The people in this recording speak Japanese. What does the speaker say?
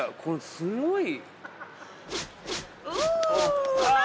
すごいね！